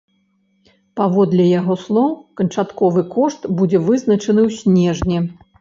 Паводле яго слоў, канчатковы кошт будзе вызначаны ў снежні.